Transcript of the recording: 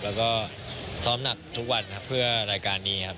แล้วก็ซ้อมหนักทุกวันครับเพื่อรายการนี้ครับ